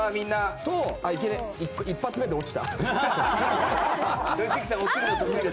いけね、一発目で落ちた。